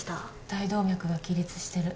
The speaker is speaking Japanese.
大動脈が亀裂してる。